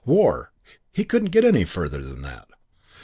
War he couldn't get any further than that.